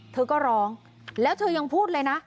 เธอก็ร้องแล้วเธอยังพูดเลยนะ